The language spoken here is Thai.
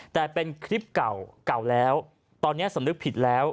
แต่เป็นคลิปเก่าเก่าแล้วตอนนี้สำนึกผิดแล้ว